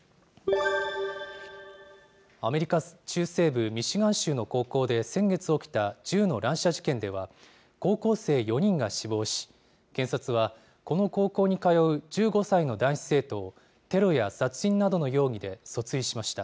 アメリカ中西部ミシガン州の高校で、先月起きた銃の乱射事件では、高校生４人が死亡し、検察は、この高校に通う１５歳の男子生徒を、テロや殺人などの容疑で訴追しました。